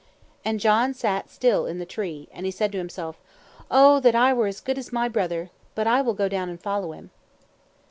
And John sat still in the tree, and he said to himself, "Oh! that I were as good as my brother; but I will go down and follow him."